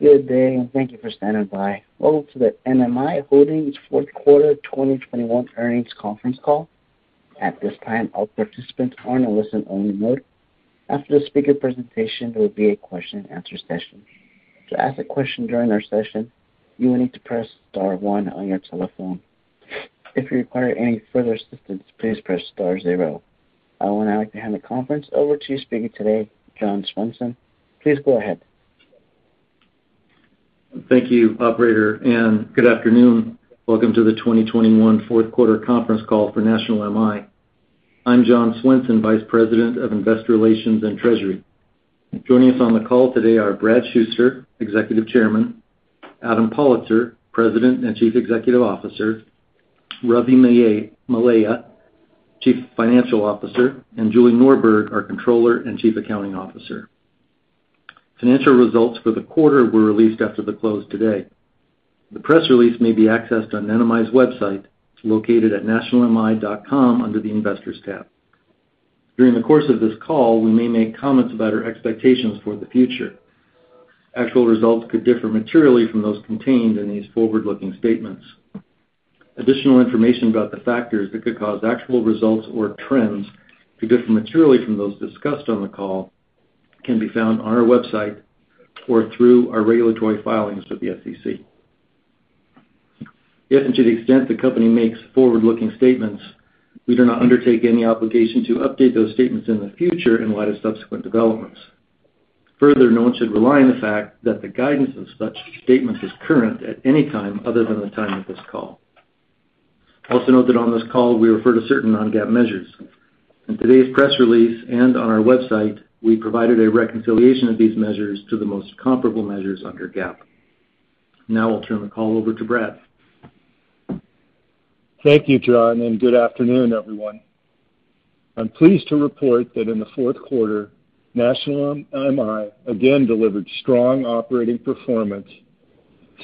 Good day, and thank you for standing by. Welcome to the NMI Holdings Fourth Quarter 2021 Earnings Conference Call. At this time, all participants are in a listen only mode. After the speaker presentation, there will be a question and answer session. To ask a question during our session, you will need to press star one on your telephone. If you require any further assistance, please press star zero. I would now like to hand the conference over to speaker today, John Swenson. Please go ahead. Thank you, operator, and good afternoon. Welcome to the 2021 Fourth Quarter Conference Call for National MI. I'm John Swenson, Vice President of Investor Relations and Treasury. Joining us on the call today are Brad Shuster, Executive Chairman, Adam Pollitzer, President and Chief Executive Officer, Ravi Mallela, Chief Financial Officer, and Julie Norberg, our Controller and Chief Accounting Officer. Financial results for the quarter were released after the close today. The press release may be accessed on NMI's website. It's located at nationalmi.com under the Investors tab. During the course of this call, we may make comments about our expectations for the future. Actual results could differ materially from those contained in these forward-looking statements. Additional information about the factors that could cause actual results or trends to differ materially from those discussed on the call can be found on our website or through our regulatory filings with the SEC. If and to the extent the company makes forward-looking statements, we do not undertake any obligation to update those statements in the future in light of subsequent developments. Further, no one should rely on the fact that the guidance of such statements is current at any time other than the time of this call. Also note that on this call we refer to certain non-GAAP measures. In today's press release and on our website, we provided a reconciliation of these measures to the most comparable measures under GAAP. Now I'll turn the call over to Brad. Thank you, John, and good afternoon, everyone. I'm pleased to report that in the fourth quarter, National MI again delivered strong operating performance,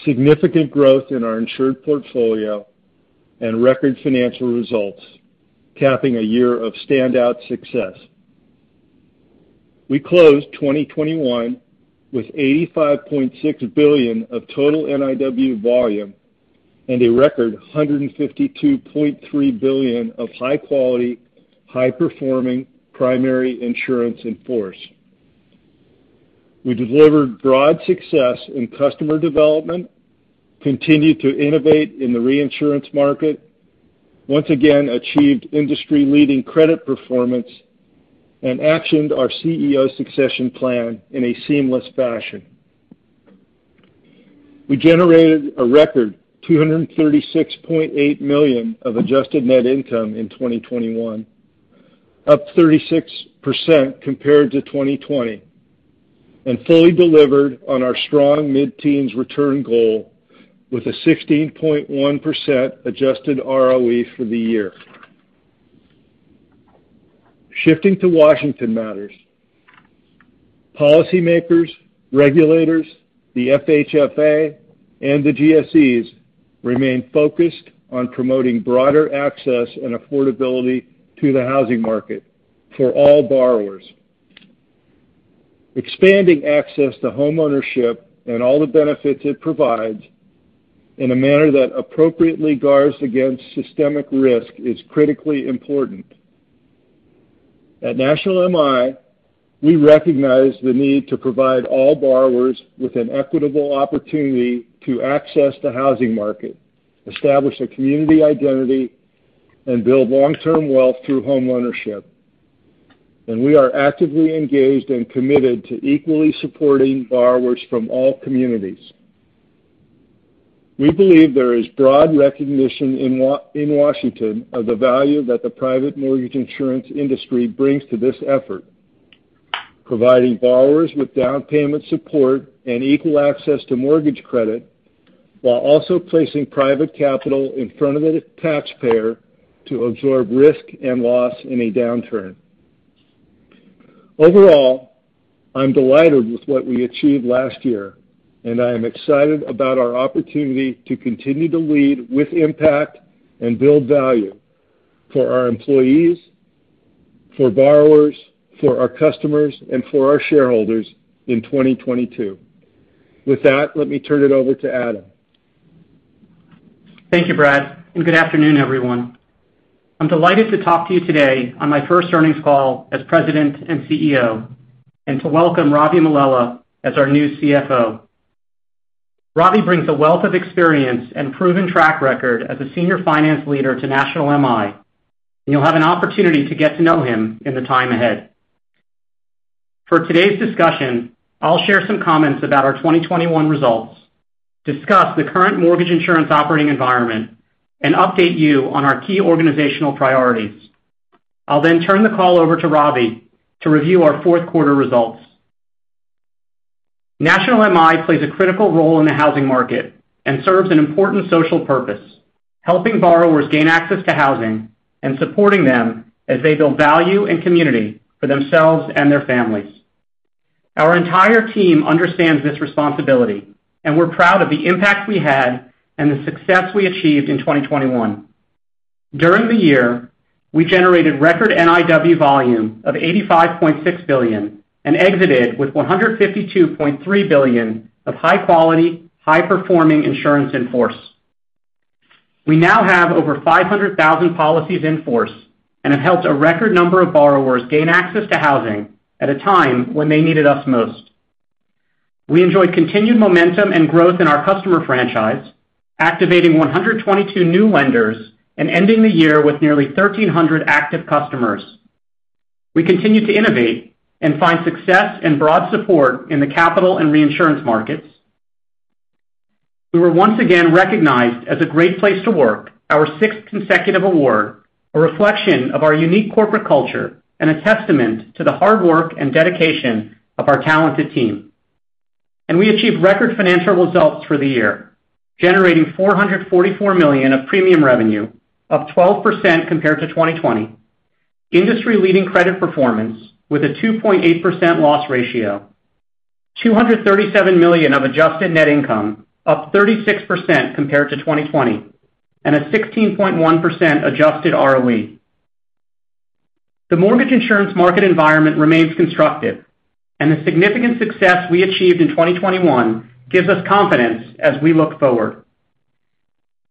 significant growth in our insured portfolio and record financial results, capping a year of standout success. We closed 2021 with $85.6 billion of total NIW volume and a record $152.3 billion of high quality, high performing primary insurance in force. We delivered broad success in customer development, continued to innovate in the reinsurance market, once again achieved industry-leading credit performance and actioned our CEO succession plan in a seamless fashion. We generated a record $236.8 million of adjusted net income in 2021, up 36% compared to 2020, and fully delivered on our strong mid-teens return goal with a 16.1% adjusted ROE for the year. Shifting to Washington matters. Policymakers, regulators, the FHFA and the GSEs remain focused on promoting broader access and affordability to the housing market for all borrowers. Expanding access to homeownership and all the benefits it provides in a manner that appropriately guards against systemic risk is critically important. At National MI, we recognize the need to provide all borrowers with an equitable opportunity to access the housing market, establish a community identity, and build long-term wealth through homeownership. We are actively engaged and committed to equally supporting borrowers from all communities. We believe there is broad recognition in Washington of the value that the private mortgage insurance industry brings to this effort, providing borrowers with down payment support and equal access to mortgage credit, while also placing private capital in front of the taxpayer to absorb risk and loss in a downturn. Overall, I'm delighted with what we achieved last year, and I am excited about our opportunity to continue to lead with impact and build value for our employees, for borrowers, for our customers, and for our shareholders in 2022. With that, let me turn it over to Adam. Thank you, Brad, and good afternoon, everyone. I'm delighted to talk to you today on my first earnings call as President and CEO, and to welcome Ravi Mallela as our new CFO. Ravi brings a wealth of experience and proven track record as a senior finance leader to National MI, and you'll have an opportunity to get to know him in the time ahead. For today's discussion, I'll share some comments about our 2021 results, discuss the current mortgage insurance operating environment, and update you on our key organizational priorities. I'll then turn the call over to Ravi to review our fourth quarter results. National MI plays a critical role in the housing market and serves an important social purpose, helping borrowers gain access to housing and supporting them as they build value and community for themselves and their families. Our entire team understands this responsibility, and we're proud of the impact we had and the success we achieved in 2021. During the year, we generated record NIW volume of $85.6 billion and exited with $152.3 billion of high quality, high performing insurance in force. We now have over 500,000 policies in force and have helped a record number of borrowers gain access to housing at a time when they needed us most. We enjoyed continued momentum and growth in our customer franchise, activating 122 new lenders and ending the year with nearly 1,300 active customers. We continue to innovate and find success and broad support in the capital and reinsurance markets. We were once again recognized as a Great Place to Work, our sixth consecutive award, a reflection of our unique corporate culture and a testament to the hard work and dedication of our talented team. We achieved record financial results for the year, generating $444 million of premium revenue, up 12% compared to 2020. Industry-leading credit performance with a 2.8% loss ratio, $237 million of adjusted net income, up 36% compared to 2020, and a 16.1% adjusted ROE. The mortgage insurance market environment remains constructive and the significant success we achieved in 2021 gives us confidence as we look forward.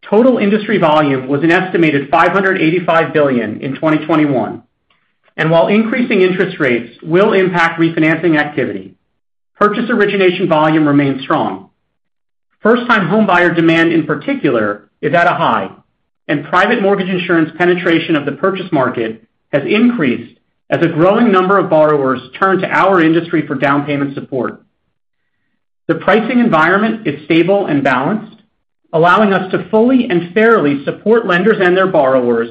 Total industry volume was an estimated $585 billion in 2021. While increasing interest rates will impact refinancing activity, purchase origination volume remains strong. First time homebuyer demand, in particular, is at a high, and private mortgage insurance penetration of the purchase market has increased as a growing number of borrowers turn to our industry for down payment support. The pricing environment is stable and balanced, allowing us to fully and fairly support lenders and their borrowers,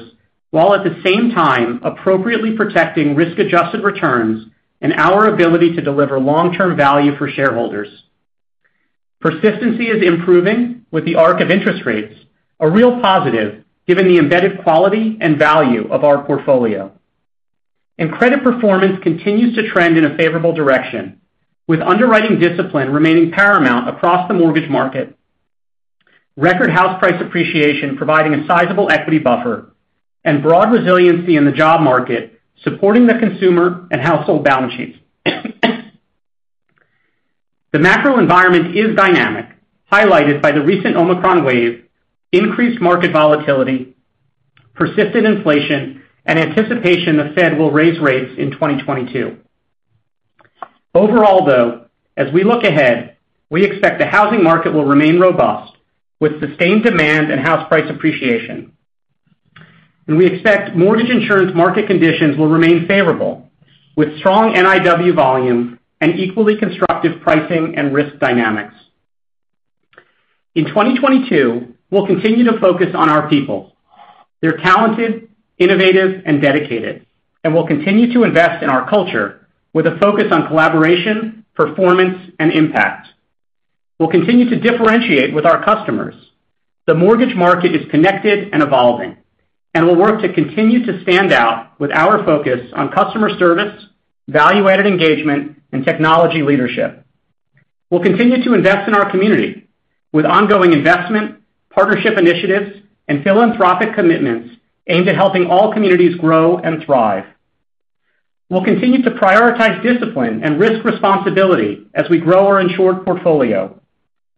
while at the same time appropriately protecting risk-adjusted returns and our ability to deliver long-term value for shareholders. Persistency is improving with the arc of interest rates, a real positive, given the embedded quality and value of our portfolio. Credit performance continues to trend in a favorable direction, with underwriting discipline remaining paramount across the mortgage market. Record house price appreciation providing a sizable equity buffer and broad resiliency in the job market, supporting the consumer and household balance sheets. The macro environment is dynamic, highlighted by the recent Omicron wave, increased market volatility, persistent inflation, and anticipation the Fed will raise rates in 2022. Overall, though, as we look ahead, we expect the housing market will remain robust with sustained demand and house price appreciation. We expect mortgage insurance market conditions will remain favorable with strong NIW volume and equally constructive pricing and risk dynamics. In 2022, we'll continue to focus on our people. They're talented, innovative and dedicated. We'll continue to invest in our culture with a focus on collaboration, performance and impact. We'll continue to differentiate with our customers. The mortgage market is connected and evolving, and we'll work to continue to stand out with our focus on customer service, value-added engagement, and technology leadership. We'll continue to invest in our community with ongoing investment, partnership initiatives, and philanthropic commitments aimed at helping all communities grow and thrive. We'll continue to prioritize discipline and risk responsibility as we grow our insured portfolio,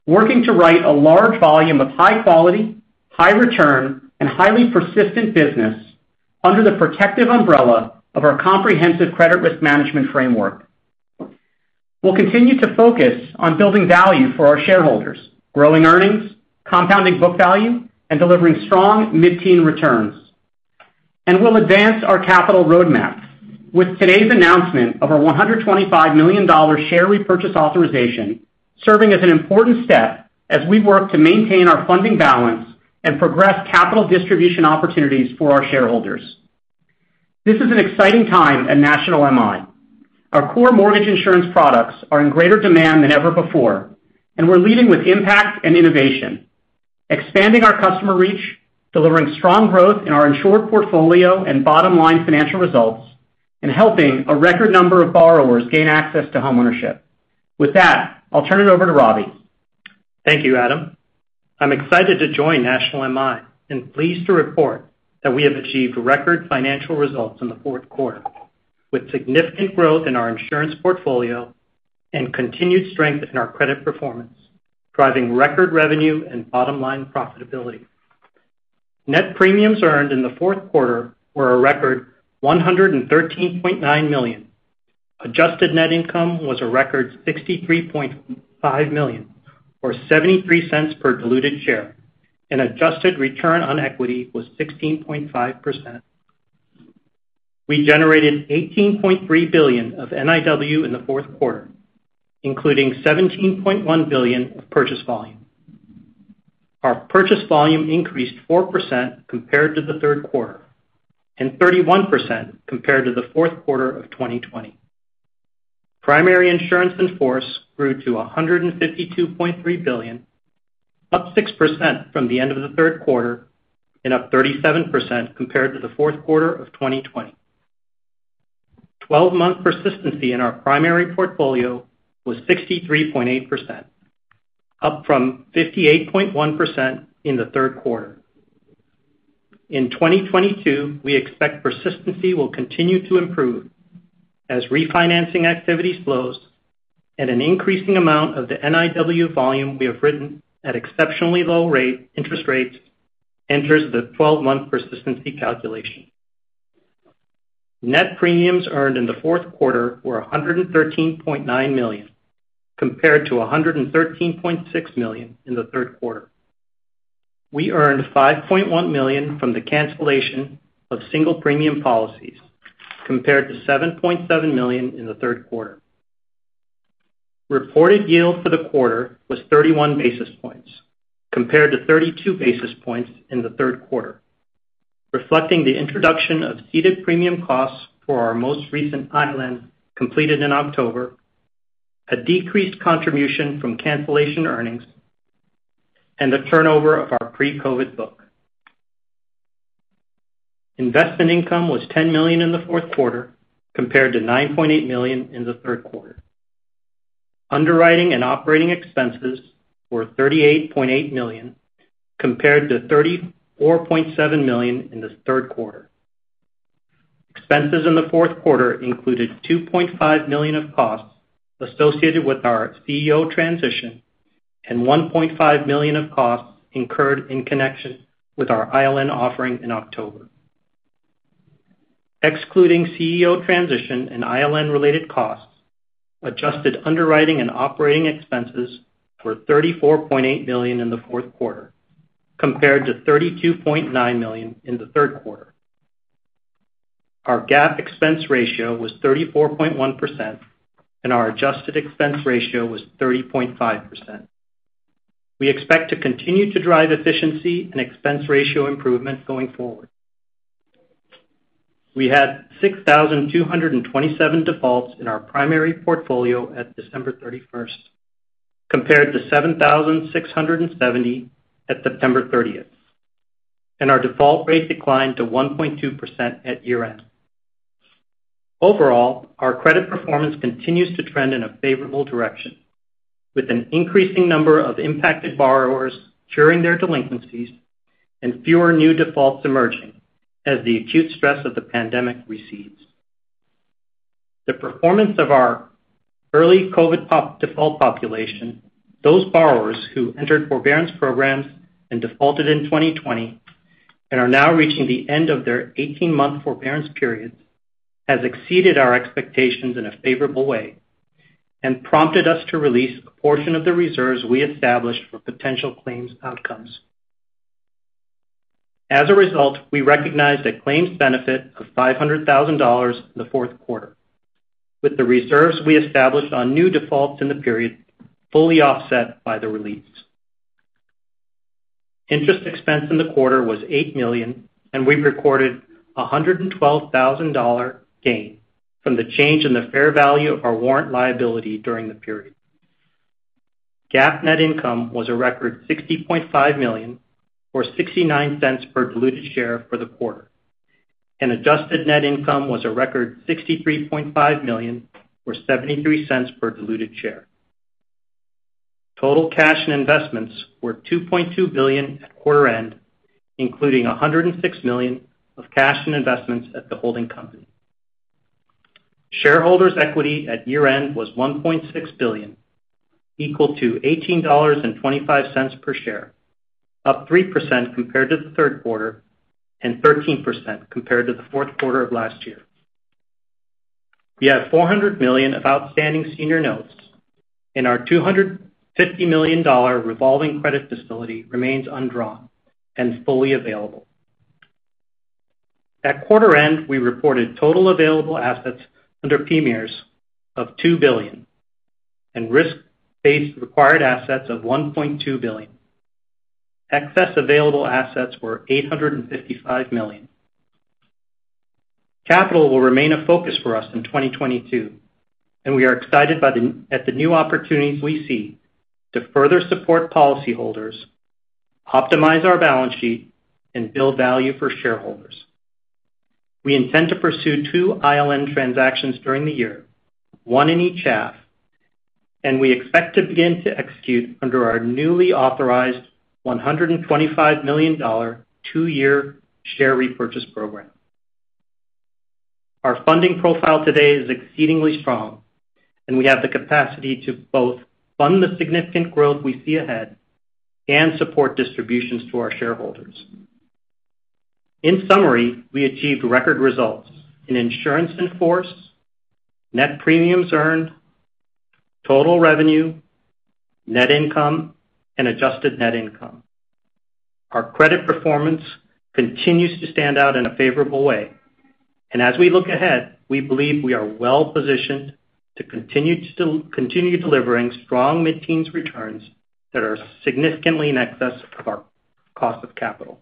working to write a large volume of high quality, high return, and highly persistent business under the protective umbrella of our comprehensive credit risk management framework. We'll continue to focus on building value for our shareholders, growing earnings, compounding book value, and delivering strong mid-teen returns. We'll advance our capital roadmap with today's announcement of our $125 million share repurchase authorization, serving as an important step as we work to maintain our funding balance and progress capital distribution opportunities for our shareholders. This is an exciting time at National MI. Our core mortgage insurance products are in greater demand than ever before, and we're leading with impact and innovation, expanding our customer reach, delivering strong growth in our insured portfolio and bottom-line financial results, and helping a record number of borrowers gain access to homeownership. With that, I'll turn it over to Ravi. Thank you, Adam. I'm excited to join National MI and pleased to report that we have achieved record financial results in the fourth quarter, with significant growth in our insurance portfolio and continued strength in our credit performance, driving record revenue and bottom-line profitability. Net premiums earned in the fourth quarter were a record $113.9 million. Adjusted net income was a record $63.5 million, or $0.73 per diluted share, and adjusted return on equity was 16.5%. We generated $18.3 billion of NIW in the fourth quarter, including $17.1 billion of purchase volume. Our purchase volume increased 4% compared to the third quarter and 31% compared to the fourth quarter of 2020. Primary insurance in force grew to $152.3 billion, up 6% from the end of the third quarter and up 37% compared to the fourth quarter of 2020. 12 month persistency in our primary portfolio was 63.8%, up from 58.1% in the third quarter. In 2022, we expect persistency will continue to improve as refinancing activities slows and an increasing amount of the NIW volume we have written at exceptionally low-rate interest rates enters the 12 month persistency calculation. Net premiums earned in the fourth quarter were $113.9 million, compared to $113.6 million in the third quarter. We earned $5.1 million from the cancellation of single premium policies, compared to $7.7 million in the third quarter. Reported yield for the quarter was 31 basis points compared to 32 basis points in the third quarter, reflecting the introduction of ceded premium costs for our most recent ILN completed in October, a decreased contribution from cancellation earnings, and the turnover of our pre-COVID book. Investment income was $10 million in the fourth quarter compared to $9.8 million in the third quarter. Underwriting and operating expenses were $38.8 million compared to $34.7 million in the third quarter. Expenses in the fourth quarter included $2.5 million of costs associated with our CEO transition and $1.5 million of costs incurred in connection with our ILN offering in October. Excluding CEO transition and ILN related costs, adjusted underwriting and operating expenses were $34.8 million in the fourth quarter compared to $32.9 million in the third quarter. Our GAAP expense ratio was 34.1%, and our adjusted expense ratio was 30.5%. We expect to continue to drive efficiency and expense ratio improvement going forward. We had 6,227 defaults in our primary portfolio at December 31, compared to 7,670 at September 30, and our default rate declined to 1.2% at year-end. Overall, our credit performance continues to trend in a favorable direction, with an increasing number of impacted borrowers curing their delinquencies and fewer new defaults emerging as the acute stress of the pandemic recedes. The performance of our early COVID default population, those borrowers who entered forbearance programs and defaulted in 2020 and are now reaching the end of their 18 month forbearance periods, has exceeded our expectations in a favorable way and prompted us to release a portion of the reserves we established for potential claims outcomes. As a result, we recognized a claims benefit of $500,000 in the fourth quarter, with the reserves we established on new defaults in the period fully offset by the release. Interest expense in the quarter was $8 million, and we recorded a $112,000 gain from the change in the fair value of our warrant liability during the period. GAAP net income was a record $60.5 million, or $0.69 per diluted share for the quarter, and adjusted net income was a record $63.5 million, or $0.73 per diluted share. Total cash and investments were $2.2 billion at quarter end, including $106 million of cash and investments at the holding company. Shareholders' equity at year-end was $1.6 billion, equal to $18.25 per share, up 3% compared to the third quarter and 13% compared to the fourth quarter of last year. We have $400 million of outstanding senior notes, and our $250 million revolving credit facility remains undrawn and fully available. At quarter end, we reported total available assets under PMIERs of $2 billion and risk-based required assets of $1.2 billion. Excess available assets were $855 million. Capital will remain a focus for us in 2022, and we are excited by the new opportunities we see to further support policyholders, optimize our balance sheet, and build value for shareholders. We intend to pursue two ILN transactions during the year, One in each half, and we expect to begin to execute under our newly authorized $125 million 2 year share repurchase program. Our funding profile today is exceedingly strong, and we have the capacity to both fund the significant growth we see ahead and support distributions to our shareholders. In summary, we achieved record results in insurance in force, net premiums earned, total revenue, net income, and adjusted net income. Our credit performance continues to stand out in a favorable way. As we look ahead, we believe we are well positioned to continue delivering strong mid-teens returns that are significantly in excess of our cost of capital.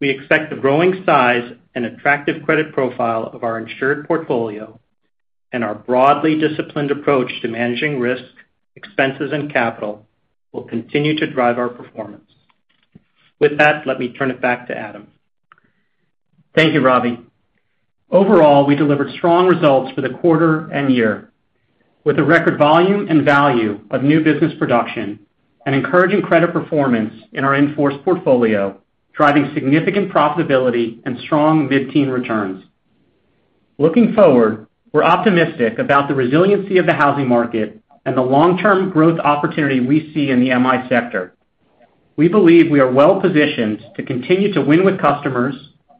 We expect the growing size and attractive credit profile of our insured portfolio and our broadly disciplined approach to managing risk, expenses, and capital will continue to drive our performance. With that, let me turn it back to Adam. Thank you, Ravi. Overall, we delivered strong results for the quarter and year. With a record volume and value of new business production and encouraging credit performance in our in-force portfolio, driving significant profitability and strong mid-teen returns. Looking forward, we're optimistic about the resiliency of the housing market and the long-term growth opportunity we see in the MI sector. We believe we are well-positioned to continue to win with customers,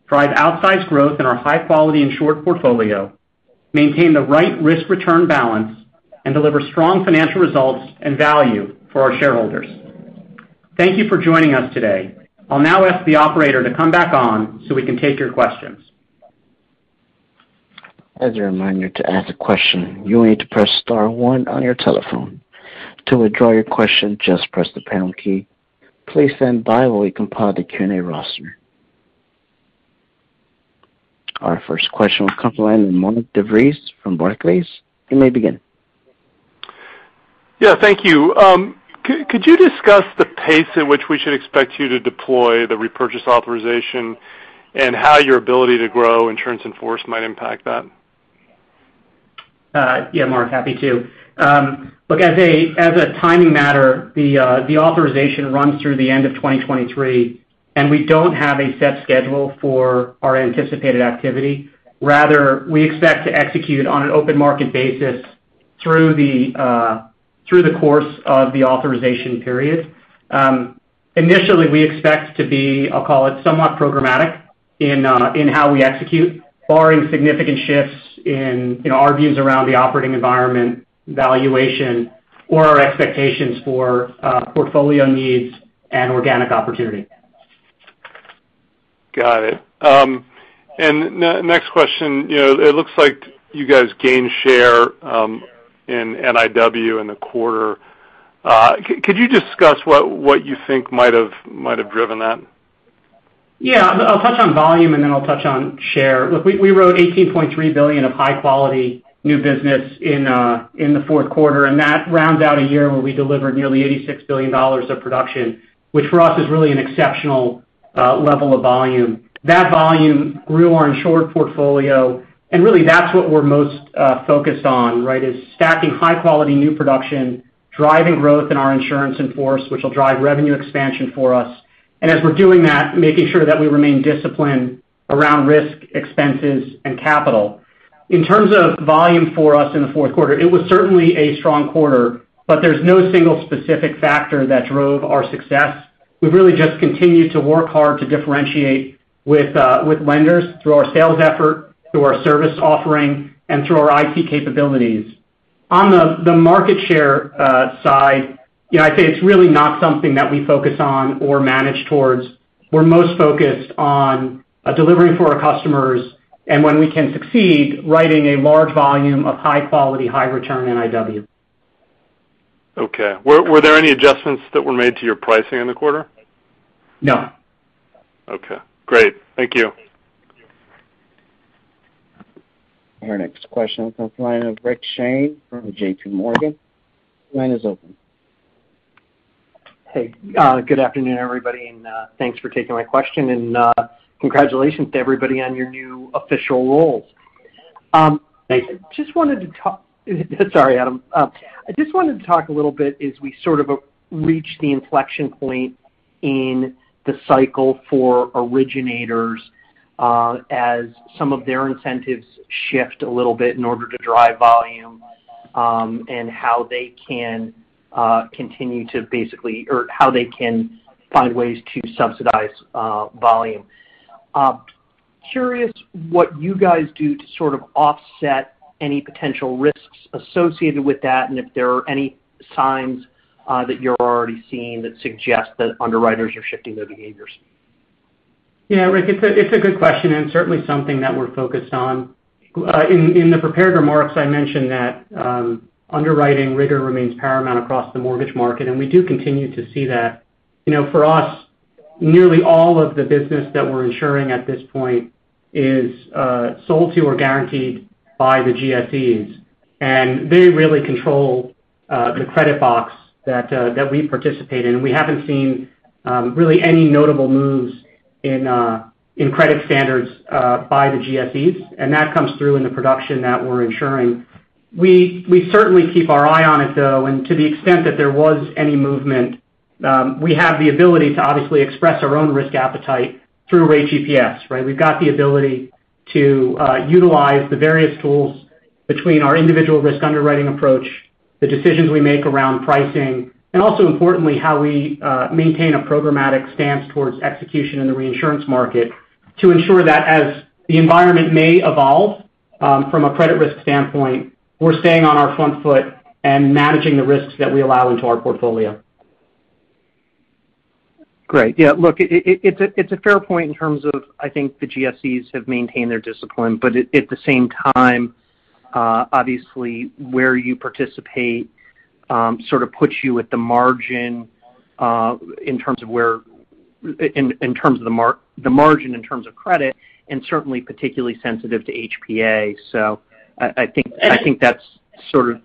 drive outsized growth in our high-quality insured portfolio, maintain the right risk-return balance, and deliver strong financial results and value for our shareholders. Thank you for joining us today. I'll now ask the Operator to come back on so we can take your questions. As a reminder, to ask a question, you will need to press star one on your telephone. To withdraw your question, just press the pound key. Please stand by while we compile the Q&A roster. Our first question will come from the line of Mark DeVries from Barclays. You may begin. Yeah, thank you. Could you discuss the pace in which we should expect you to deploy the repurchase authorization and how your ability to grow insurance in force might impact that? Yeah, Mark, happy to. Look, as a timing matter, the authorization runs through the end of 2023, and we don't have a set schedule for our anticipated activity. Rather, we expect to execute on an open market basis through the course of the authorization period. Initially, we expect to be, I'll call it somewhat programmatic in how we execute, barring significant shifts in our views around the operating environment, valuation or our expectations for portfolio needs and organic opportunity. Got it. Next question. You know, it looks like you guys gained share in NIW in the quarter. Could you discuss what you think might have driven that? Yeah. I'll touch on volume, and then I'll touch on share. Look, we wrote $18.3 billion of high quality new business in the fourth quarter, and that rounds out a year where we delivered nearly $86 billion of production, which for us is really an exceptional level of volume. That volume grew our insured portfolio, and really that's what we're most focused on, right? Is stacking high quality new production, driving growth in our insurance in force, which will drive revenue expansion for us. As we're doing that, making sure that we remain disciplined around risk, expenses, and capital. In terms of volume for us in the fourth quarter, it was certainly a strong quarter, but there's no single specific factor that drove our success. We've really just continued to work hard to differentiate with lenders through our sales effort, through our service offering, and through our IT capabilities. On the market share side, you know, I'd say it's really not something that we focus on or manage towards. We're most focused on delivering for our customers and when we can succeed, writing a large volume of high quality, high return NIW. Okay. Were there any adjustments that were made to your pricing in the quarter? No. Okay, great. Thank you. Our next question comes from the line of Rick Shane from JPMorgan. Your line is open. Hey, good afternoon, everybody, and thanks for taking my question, and congratulations to everybody on your new official roles. Sorry, Adam. I just wanted to talk a little bit as we sort of reached the inflection point in the cycle for originators, as some of their incentives shift a little bit in order to drive volume, and how they can continue to basically or how they can find ways to subsidize volume. I'm curious what you guys do to sort of offset any potential risks associated with that and if there are any signs that you're already seeing that suggest that underwriters are shifting their behaviors. Yeah, Rick, it's a good question, and certainly something that we're focused on. In the prepared remarks, I mentioned that underwriting rigor remains paramount across the mortgage market, and we do continue to see that. You know, for us, nearly all of the business that we're insuring at this point is sold to or guaranteed by the GSEs. They really control the credit box that we participate in. We haven't seen really any notable moves in credit standards by the GSEs, and that comes through in the production that we're insuring. We certainly keep our eye on it, though. To the extent that there was any movement, we have the ability to obviously express our own risk appetite through Rate GPS, right? We've got the ability to utilize the various tools between our individual risk underwriting approach, the decisions we make around pricing, and also importantly, how we maintain a programmatic stance towards execution in the reinsurance market to ensure that as the environment may evolve from a credit risk standpoint, we're staying on our front foot and managing the risks that we allow into our portfolio. Great. Yeah. Look, it's a fair point in terms of, I think the GSEs have maintained their discipline, but at the same time, obviously where you participate sort of puts you at the margin in terms of where the margin in terms of credit and certainly particularly sensitive to HPA. I think that's sort of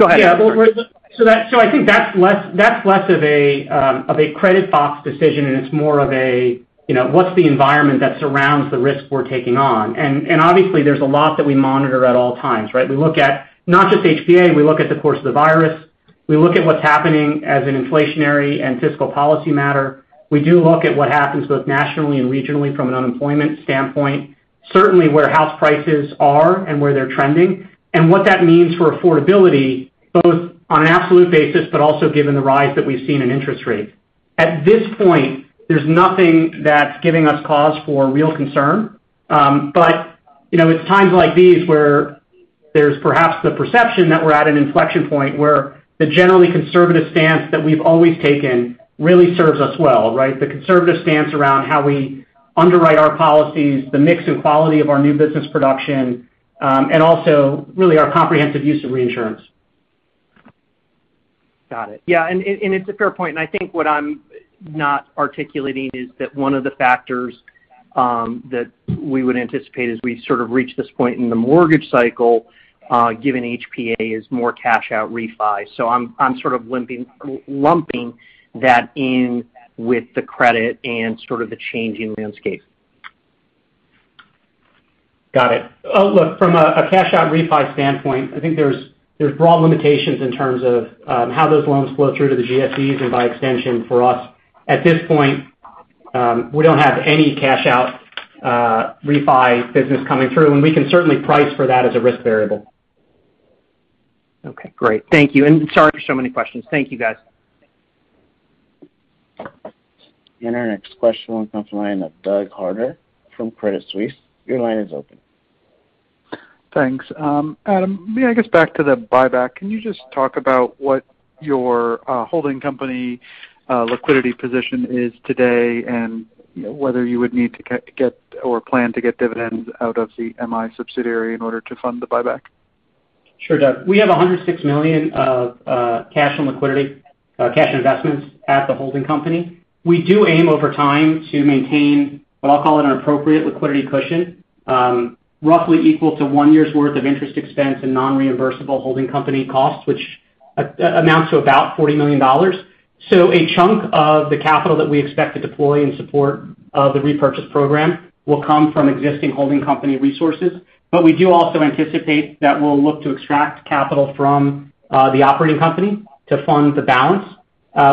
Yeah. Well, I think that's less of a credit box decision, and it's more of a, you know, what's the environment that surrounds the risk we're taking on? Obviously, there's a lot that we monitor at all times, right? We look at not just HPA, we look at the course of the virus. We look at what's happening as an inflationary and fiscal policy matter. We do look at what happens both nationally and regionally from an unemployment standpoint. Certainly, where house prices are and where they're trending, and what that means for affordability, both on an absolute basis, but also given the rise that we've seen in interest rates. At this point, there's nothing that's giving us cause for real concern. you know, it's times like these where there's perhaps the perception that we're at an inflection point where the generally conservative stance that we've always taken really serves us well, right? The conservative stance around how we underwrite our policies, the mix and quality of our new business production, and also really our comprehensive use of reinsurance. Got it. Yeah. It's a fair point. I think what I'm not articulating is that one of the factors that we would anticipate as we sort of reach this point in the mortgage cycle, given HPA, is more cash out refi. I'm sort of lumping that in with the credit and sort of the changing landscape. Got it. Oh, look, from a cash out refi standpoint, I think there's broad limitations in terms of how those loans flow through to the GSEs and by extension for us. At this point, we don't have any cash out refi business coming through, and we can certainly price for that as a risk variable. Okay, great. Thank you. Sorry for so many questions. Thank you, guys. Our next question comes from the line of Doug Harter from Credit Suisse. Your line is open. Thanks. Adam, maybe I guess back to the buyback. Can you just talk about what your holding company liquidity position is today and, you know, whether you would need to get or plan to get dividends out of the MI subsidiary in order to fund the buyback? Sure, Doug. We have $106 million of cash and liquidity, cash investments at the holding company. We do aim over time to maintain what I'll call an appropriate liquidity cushion, roughly equal to one year's worth of interest expense and non-reimbursable holding company costs, which amounts to about $40 million. A chunk of the capital that we expect to deploy in support of the repurchase program will come from existing holding company resources. We do also anticipate that we'll look to extract capital from the operating company to fund the balance.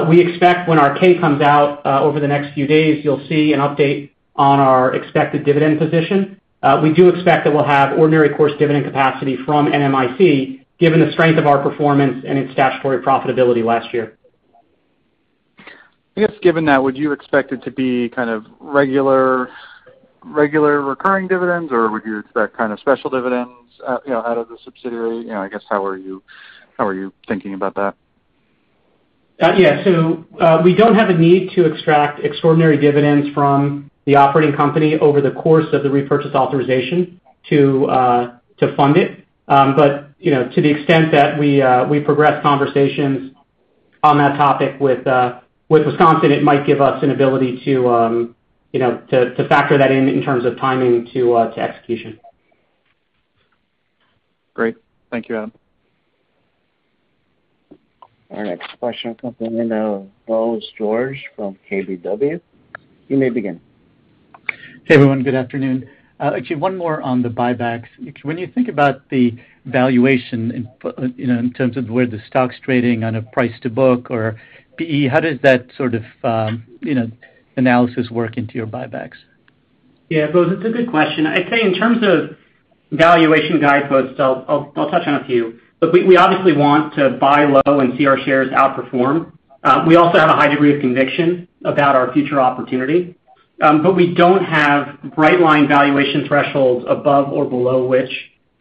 We expect when our K comes out, over the next few days, you'll see an update on our expected dividend position. We do expect that we'll have ordinary course dividend capacity from NMIC, given the strength of our performance and its statutory profitability last year. I guess given that, would you expect it to be kind of regular recurring dividends, or would you expect kind of special dividends, you know, out of the subsidiary? You know, I guess how are you thinking about that? We don't have a need to extract extraordinary dividends from the operating company over the course of the repurchase authorization to fund it. You know, to the extent that we progress conversations on that topic with Wisconsin, it might give us an ability to you know, to factor that in in terms of timing to execution. Great. Thank you, Adam. Our next question comes from the line of Bose George from KBW. You may begin. Hey, everyone. Good afternoon. Actually one more on the buybacks. When you think about the valuation in, you know, in terms of where the stock's trading on a price to book or PE, how does that sort of, you know, analysis work into your buybacks? Yeah. Bose, it's a good question. I'd say in terms of valuation guideposts, I'll touch on a few. We obviously want to buy low and see our shares outperform. We also have a high degree of conviction about our future opportunity. We don't have bright line valuation thresholds above or below which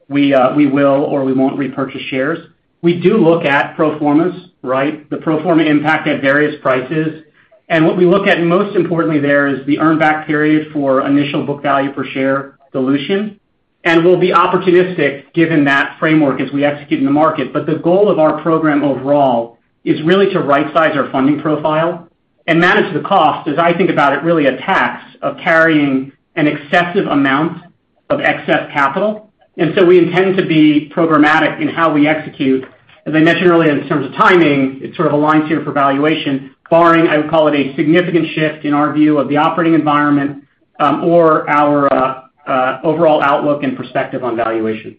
we will or we won't repurchase shares. We do look at pro formas, right, the pro forma impact at various prices. What we look at most importantly there is the earn back period for initial book value per share dilution. We'll be opportunistic given that framework as we execute in the market. The goal of our program overall is really to right-size our funding profile and manage the cost, as I think about it, really a tax of carrying an excessive amount of excess capital. We intend to be programmatic in how we execute. As I mentioned earlier, in terms of timing, it sort of aligns here for valuation, barring, I would call it, a significant shift in our view of the operating environment, or our overall outlook and perspective on valuation.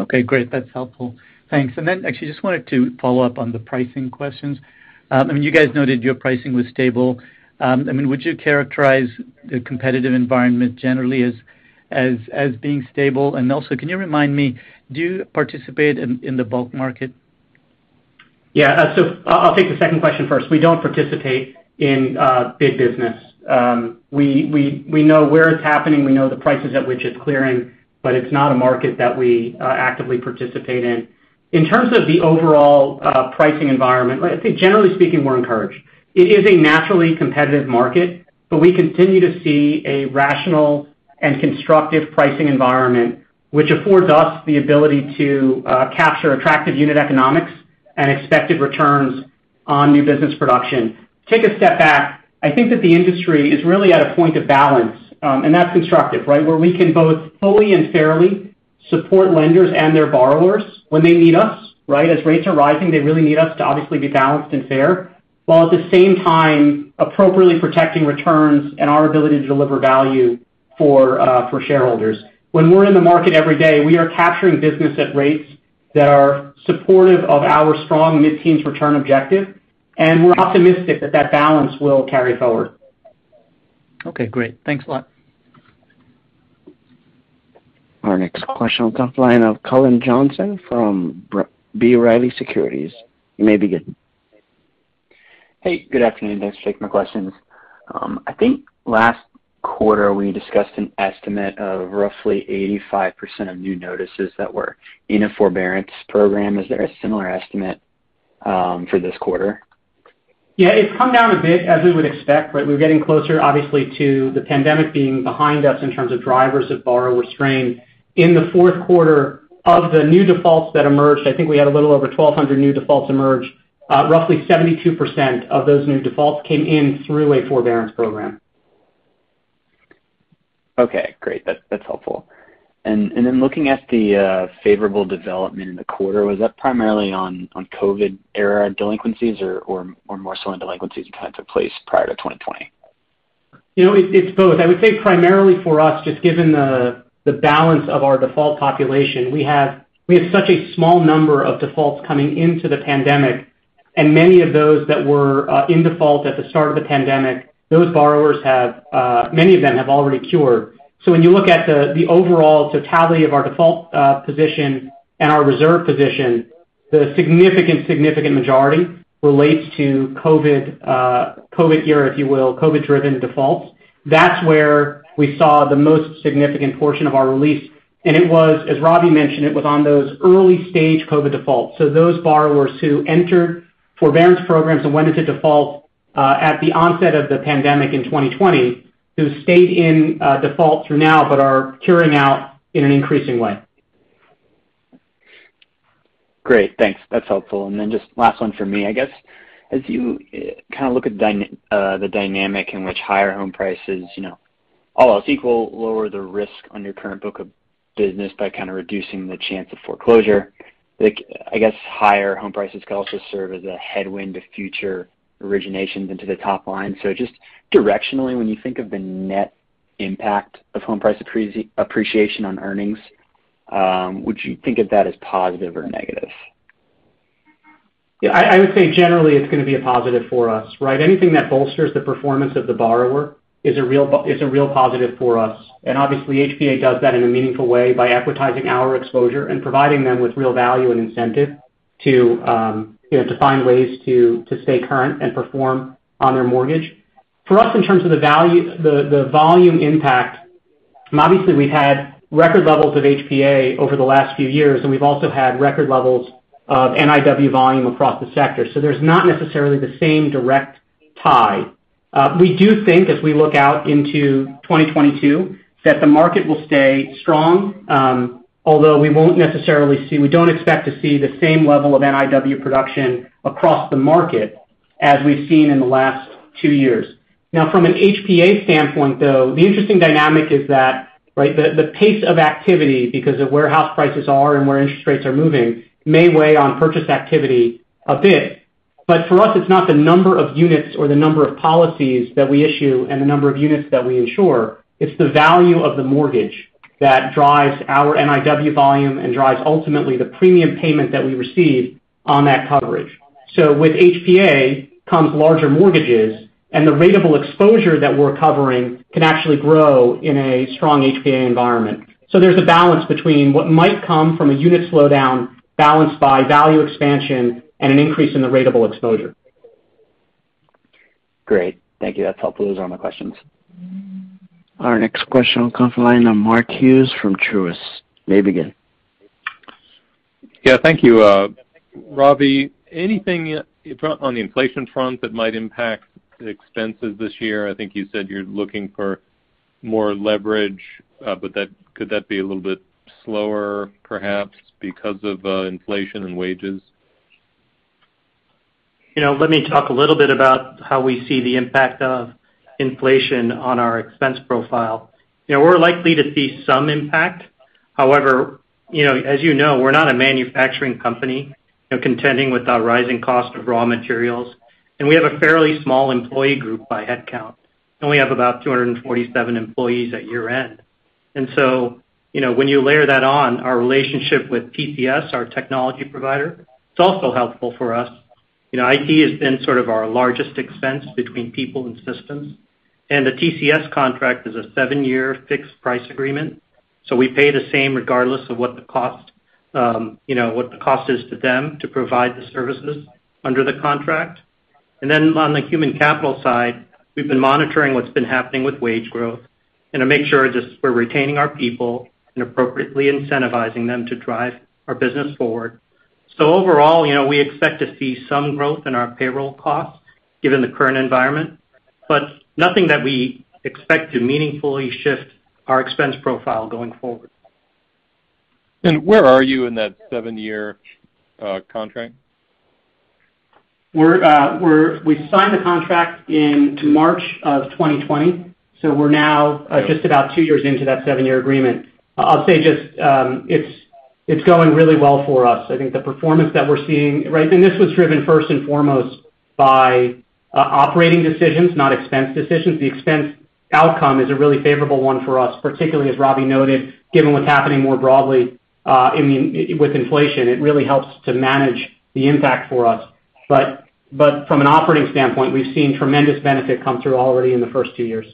Okay, great. That's helpful. Thanks. Then actually just wanted to follow up on the pricing questions. I mean, you guys noted your pricing was stable. I mean, would you characterize the competitive environment generally as being stable? Also, can you remind me, do you participate in the bulk market? Yeah. I'll take the second question first. We don't participate in bid business. We know where it's happening. We know the prices at which it's clearing, but it's not a market that we actively participate in. In terms of the overall pricing environment, I think generally speaking, we're encouraged. It is a naturally competitive market, but we continue to see a rational and constructive pricing environment, which affords us the ability to capture attractive unit economics and expected returns on new business production. Take a step back. I think that the industry is really at a point of balance, and that's constructive, right, where we can both fully and fairly support lenders and their borrowers when they need us, right? As rates are rising, they really need us to obviously be balanced and fair, while at the same time appropriately protecting returns and our ability to deliver value for for shareholders. When we're in the market every day, we are capturing business at rates that are supportive of our strong mid-teens return objective, and we're optimistic that that balance will carry forward. Okay, great. Thanks a lot. Our next question on the top line of Cullen Johnson from B. Riley Securities. You may begin. Hey, good afternoon. Thanks for taking my questions. I think last quarter, we discussed an estimate of roughly 85% of new notices that were in a forbearance program. Is there a similar estimate for this quarter? Yeah, it's come down a bit as we would expect, but we're getting closer, obviously, to the pandemic being behind us in terms of drivers of borrower strain. In the fourth quarter of the new defaults that emerged, I think we had a little over 1,200 new defaults emerge. Roughly 72% of those new defaults came in through a forbearance program. Okay, great. That's helpful. Looking at the favorable development in the quarter, was that primarily on COVID era delinquencies or more so on delinquencies that took place prior to 2020? You know, it's both. I would say primarily for us, just given the balance of our default population. We have such a small number of defaults coming into the pandemic, and many of those that were in default at the start of the pandemic, those borrowers have many of them have already cured. So when you look at the overall totality of our default position and our reserve position, the significant majority relates to COVID COVID year, if you will, COVID-driven defaults. That's where we saw the most significant portion of our release. It was, as Ravi mentioned, it was on those early-stage COVID defaults. Those borrowers who entered forbearance programs and went into default at the onset of the pandemic in 2020, who stayed in default through now, but are curing out in an increasing way. Great. Thanks. That's helpful. Just last one for me, I guess. As you kind of look at the dynamic in which higher home prices, you know, all else equal, lower the risk on your current book of business by kinda reducing the chance of foreclosure. Like, I guess, higher home prices could also serve as a headwind to future originations into the top line. Just directionally, when you think of the net impact of home price appreciation on earnings, would you think of that as positive or negative? Yeah, I would say generally it's gonna be a positive for us, right? Anything that bolsters the performance of the borrower is a real positive for us. Obviously, HPA does that in a meaningful way by reducing our exposure and providing them with real value and incentive to, you know, to find ways to stay current and perform on their mortgage. For us, in terms of the volume impact, obviously we've had record levels of HPA over the last few years, and we've also had record levels of NIW volume across the sector. There's not necessarily the same direct tie. We do think as we look out into 2022, that the market will stay strong, although we don't expect to see the same level of NIW production across the market as we've seen in the last two years. Now, from an HPA standpoint, though, the interesting dynamic is that, right, the pace of activity because of where house prices are and where interest rates are moving may weigh on purchase activity a bit. But for us, it's not the number of units or the number of policies that we issue and the number of units that we insure. It's the value of the mortgage that drives our NIW volume and drives ultimately the premium payment that we receive on that coverage. With HPA comes larger mortgages, and the ratable exposure that we're covering can actually grow in a strong HPA environment. There's a balance between what might come from a unit slowdown balanced by value expansion and an increase in the ratable exposure. Great. Thank you. That's helpful. Those are all my questions. Our next question will come from the line of Mark Hughes from Truist. You may begin. Yeah. Thank you. Ravi, anything on the inflation front that might impact expenses this year? I think you said you're looking for more leverage, but that could be a little bit slower, perhaps because of inflation and wages? You know, let me talk a little bit about how we see the impact of inflation on our expense profile. You know, we're likely to see some impact. However, you know, as you know, we're not a manufacturing company, you know, contending with the rising cost of raw materials. We have a fairly small employee group by headcount, and we have about 247 employees at year-end. You know, when you layer that on our relationship with TCS, our technology provider, it's also helpful for us. You know, IT has been sort of our largest expense between people and systems. The TCS contract is a 7-year fixed price agreement, so we pay the same regardless of what the cost, you know, what the cost is to them to provide the services under the contract. On the human capital side, we've been monitoring what's been happening with wage growth and to make sure just we're retaining our people and appropriately incentivizing them to drive our business forward. Overall, you know, we expect to see some growth in our payroll costs given the current environment, but nothing that we expect to meaningfully shift our expense profile going forward. Where are you in that seven-year contract? We signed the contract in March 2020, so we're now just about 2 years into that 7-year agreement. I'll just say it's going really well for us. I think the performance that we're seeing, right? This was driven first and foremost by operating decisions, not expense decisions. The expense outcome is a really favorable one for us, particularly as Ravi noted, given what's happening more broadly with inflation. It really helps to manage the impact for us. From an operating standpoint, we've seen tremendous benefit come through already in the first 2 years.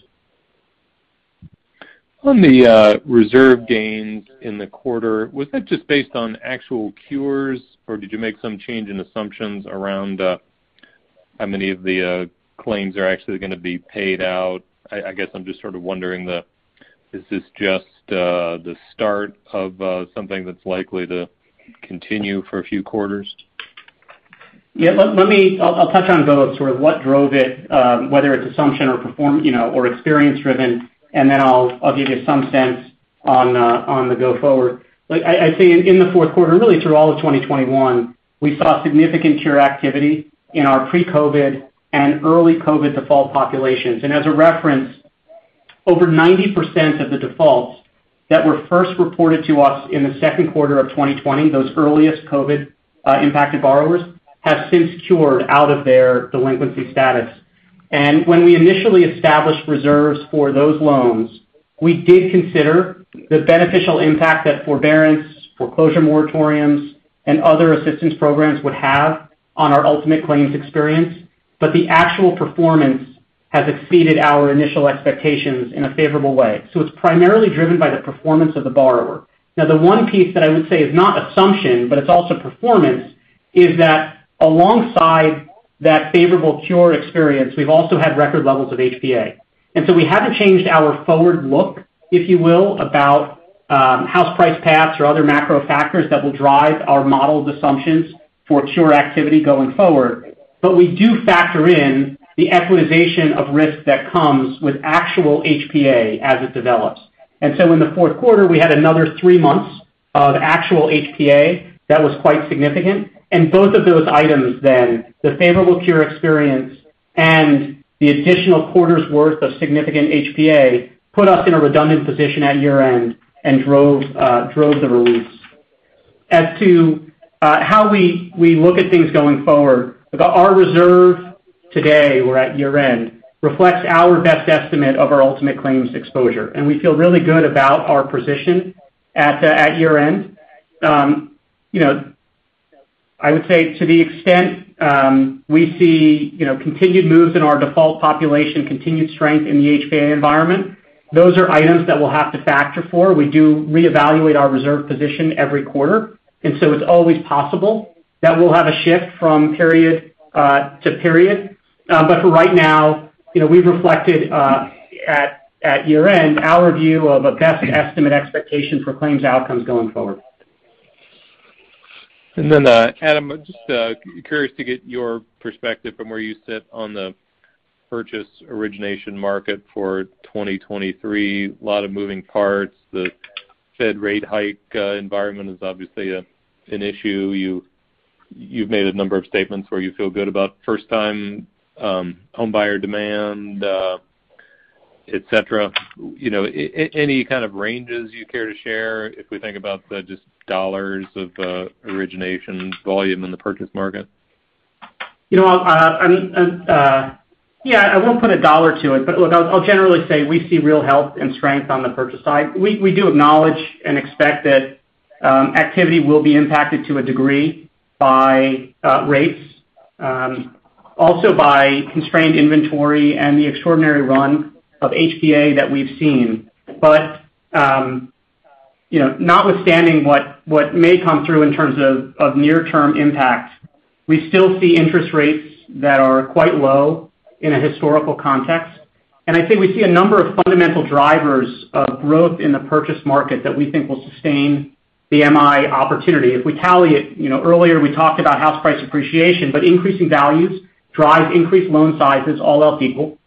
On the reserve gains in the quarter, was that just based on actual cures, or did you make some change in assumptions around how many of the claims are actually gonna be paid out? I guess I'm just sort of wondering. Is this just the start of something that's likely to continue for a few quarters? Yeah. Let me... I'll touch on both, sort of what drove it, whether it's assumption or performance, you know, or experience-driven, and then I'll give you some sense on the go-forward. Look, I'd say in the fourth quarter, and really through all of 2021, we saw significant cure activity in our pre-COVID and early COVID default populations. As a reference, over 90% of the defaults that were first reported to us in the second quarter of 2020, those earliest COVID impacted borrowers, have since cured out of their delinquency status. When we initially established reserves for those loans, we did consider the beneficial impact that forbearance, foreclosure moratoriums, and other assistance programs would have on our ultimate claims experience. The actual performance has exceeded our initial expectations in a favorable way. It's primarily driven by the performance of the borrower. Now, the one piece that I would say is not assumption, but it's also performance, is that alongside that favorable cure experience, we've also had record levels of HPA. We haven't changed our forward look, if you will, about house price paths or other macro factors that will drive our modeled assumptions for cure activity going forward. But we do factor in the equitization of risk that comes with actual HPA as it develops. In the fourth quarter, we had another three months of actual HPA that was quite significant. Both of those items then, the favorable cure experience and the additional quarter's worth of significant HPA, put us in a redundant position at year-end and drove the release. As to how we look at things going forward, look, our reserve today, we're at year-end, reflects our best estimate of our ultimate claims exposure, and we feel really good about our position at year-end. You know, I would say to the extent we see, you know, continued moves in our default population, continued strength in the HPA environment, those are items that we'll have to factor for. We do reevaluate our reserve position every quarter. It's always possible that we'll have a shift from period to period. For right now, you know, we've reflected at year-end our view of a best estimate expectation for claims outcomes going forward. Adam, just curious to get your perspective from where you sit on the purchase origination market for 2023. Lot of moving parts. The Fed rate hike environment is obviously an issue. You've made a number of statements where you feel good about first-time homebuyer demand, et cetera. You know, any kind of ranges you care to share if we think about the just dollars of origination volume in the purchase market? You know, yeah, I won't put a dollar to it. Look, I'll generally say we see real health and strength on the purchase side. We do acknowledge and expect that activity will be impacted to a degree by rates, also by constrained inventory and the extraordinary run of HPA that we've seen. You know, notwithstanding what may come through in terms of near-term impact, we still see interest rates that are quite low in a historical context. I'd say we see a number of fundamental drivers of growth in the purchase market that we think will sustain the MI opportunity. If we tally it, you know, earlier we talked about house price appreciation, but increasing values drive increased loan sizes all else equal.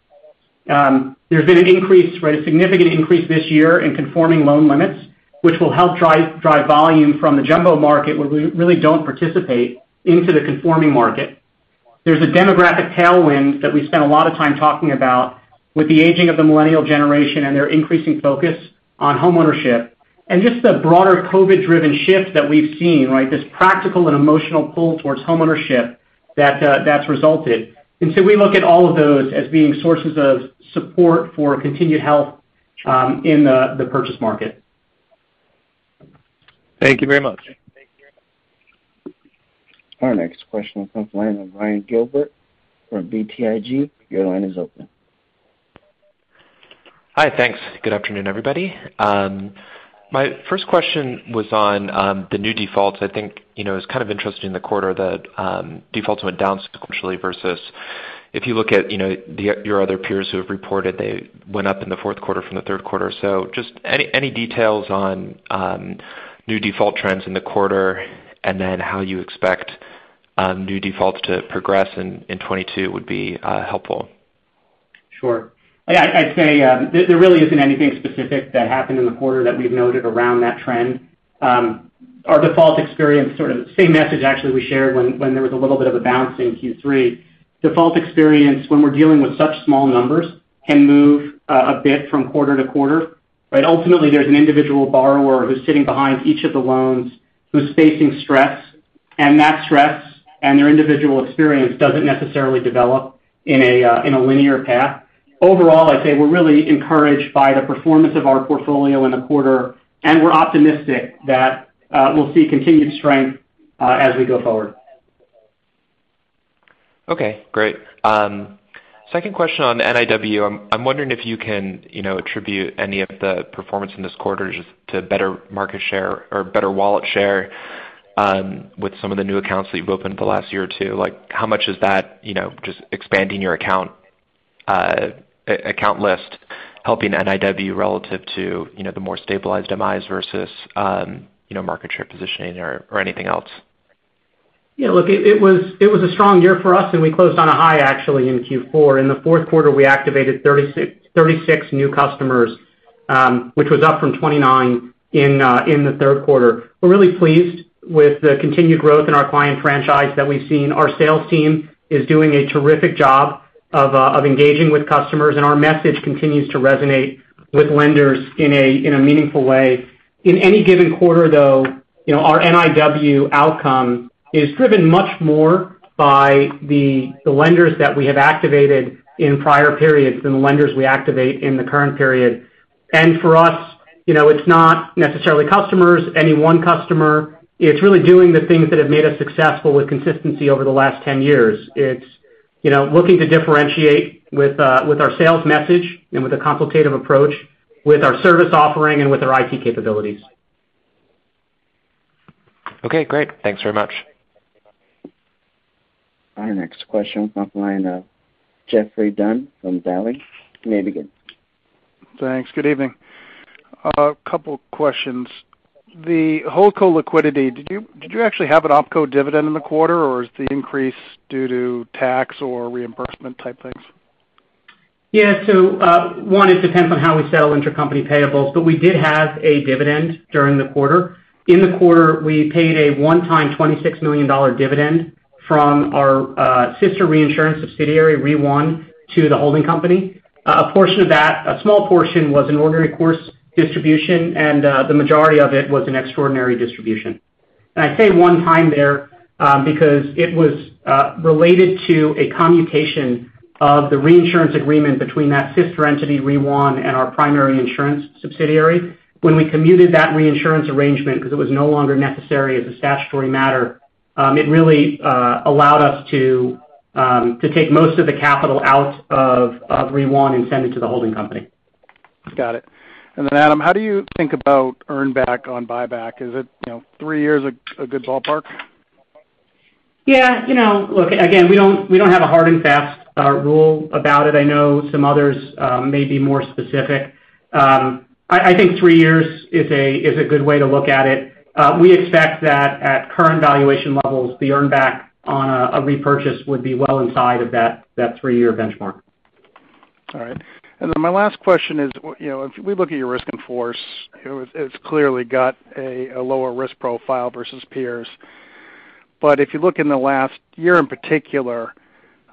There's been an increase, right, a significant increase this year in conforming loan limits, which will help drive volume from the jumbo market, where we really don't participate, into the conforming market. There's a demographic tailwind that we've spent a lot of time talking about with the aging of the millennial generation and their increasing focus on homeownership, and just the broader COVID-driven shift that we've seen, right? This practical and emotional pull towards homeownership that's resulted. We look at all of those as being sources of support for continued health, in the purchase market. Thank you very much. Our next question comes from the line of Ryan Gilbert from BTIG. Your line is open. Hi. Thanks. Good afternoon, everybody. My first question was on the new defaults. I think, you know, it was kind of interesting the quarter that defaults went down sequentially versus if you look at, you know, the your other peers who have reported they went up in the fourth quarter from the third quarter. Just any details on new default trends in the quarter, and then how you expect new defaults to progress in 2022 would be helpful. Sure. I'd say there really isn't anything specific that happened in the quarter that we've noted around that trend. Our default experience sort of same message actually we shared when there was a little bit of a bounce in Q3, default experience when we're dealing with such small numbers can move a bit from quarter to quarter, right? Ultimately, there's an individual borrower who's sitting behind each of the loans who's facing stress, and that stress and their individual experience doesn't necessarily develop in a linear path. Overall, I'd say we're really encouraged by the performance of our portfolio in the quarter, and we're optimistic that we'll see continued strength as we go forward. Okay, great. Second question on NIW. I'm wondering if you can, you know, attribute any of the performance in this quarter just to better market share or better wallet share, with some of the new accounts that you've opened the last year or two. Like how much is that, you know, just expanding your account list, helping NIW relative to, you know, the more stabilized MIs versus, you know, market share positioning or anything else? Yeah, look, it was a strong year for us, and we closed on a high actually in Q4. In the fourth quarter, we activated 36 new customers, which was up from 29 in the third quarter. We're really pleased with the continued growth in our client franchise that we've seen. Our sales team is doing a terrific job of engaging with customers, and our message continues to resonate with lenders in a meaningful way. In any given quarter though, you know, our NIW outcome is driven much more by the lenders that we have activated in prior periods than the lenders we activate in the current period. For us, you know, it's not necessarily customers, any one customer. It's really doing the things that have made us successful with consistency over the last 10 years. It's, you know, looking to differentiate with our sales message and with a consultative approach, with our service offering and with our IT capabilities. Okay, great. Thanks very much. Our next question comes from the line of Geoffrey Dunn from Dowling. You may begin. Thanks. Good evening. A couple questions. The holdco liquidity, did you actually have an opco dividend in the quarter, or is the increase due to tax or reimbursement type things? Yeah. One, it depends on how we settle intercompany payables, but we did have a dividend during the quarter. In the quarter, we paid a one-time $26 million dividend from our sister reinsurance subsidiary, ReOne, to the holding company. A portion of that, a small portion was an ordinary course distribution, and the majority of it was an extraordinary distribution. I say one time there because it was related to a commutation of the reinsurance agreement between that sister entity, ReOne, and our primary insurance subsidiary. When we commuted that reinsurance arrangement because it was no longer necessary as a statutory matter, it really allowed us to take most of the capital out of ReOne and send it to the holding company. Got it. Adam, how do you think about earn back on buyback? Is it, you know, three years a good ballpark? Yeah. You know, look, again, we don't have a hard and fast rule about it. I know some others may be more specific. I think three years is a good way to look at it. We expect that at current valuation levels, the earn back on a repurchase would be well inside of that three-year benchmark. All right. My last question is, you know, if we look at your risk in force, it has, it's clearly got a lower risk profile versus peers. If you look in the last year in particular,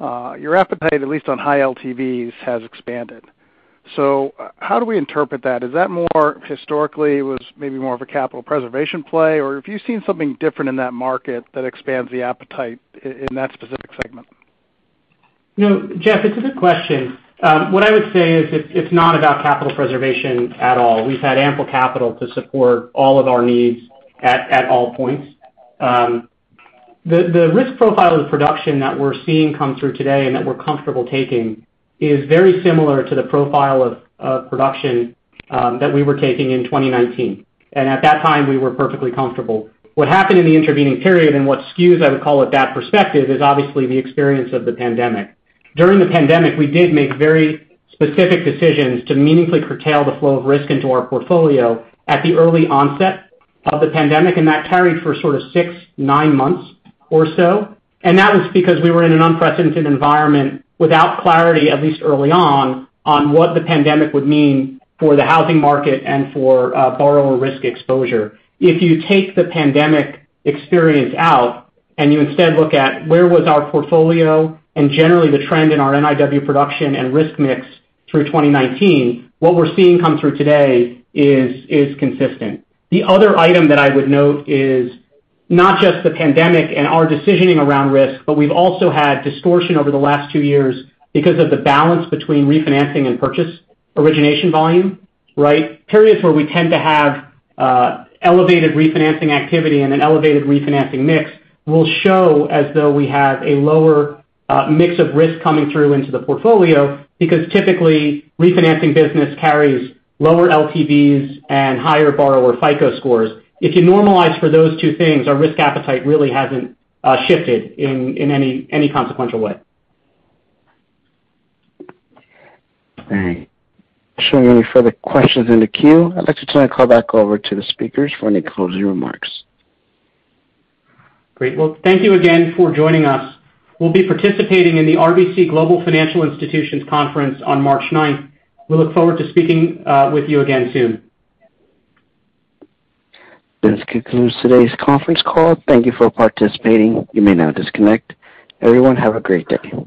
your appetite, at least on high LTVs, has expanded. How do we interpret that? Is that more historically was maybe more of a capital preservation play, or have you seen something different in that market that expands the appetite in that specific segment? No, Geoffrey, it's a good question. What I would say is it's not about capital preservation at all. We've had ample capital to support all of our needs at all points. The risk profile of production that we're seeing come through today and that we're comfortable taking is very similar to the profile of production that we were taking in 2019. At that time, we were perfectly comfortable. What happened in the intervening period and what skews, I would call it, that perspective, is obviously the experience of the pandemic. During the pandemic, we did make very specific decisions to meaningfully curtail the flow of risk into our portfolio at the early onset of the pandemic, and that carried for sort of 6-9 months or so. That was because we were in an unprecedented environment without clarity, at least early on what the pandemic would mean for the housing market and for borrower risk exposure. If you take the pandemic experience out and you instead look at where was our portfolio and generally the trend in our NIW production and risk mix through 2019, what we're seeing come through today is consistent. The other item that I would note is not just the pandemic and our decisioning around risk, but we've also had distortion over the last two years because of the balance between refinancing and purchase origination volume, right? Periods where we tend to have elevated refinancing activity and an elevated refinancing mix will show as though we have a lower mix of risk coming through into the portfolio because typically, refinancing business carries lower LTVs and higher borrower FICO scores. If you normalize for those two things, our risk appetite really hasn't shifted in any consequential way. All right. I don't see any further questions in the queue. I'd like to turn the call back over to the speakers for any closing remarks. Great. Well, thank you again for joining us. We'll be participating in the RBC Capital Markets Global Financial Institutions Conference on March ninth. We look forward to speaking with you again soon. This concludes today's conference call. Thank you for participating. You may now disconnect. Everyone, have a great day.